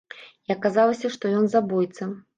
І аказалася, што ён забойца.